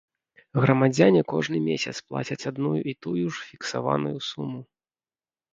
Грамадзяне кожны месяц плацяць адну і тую ж фіксаваную суму.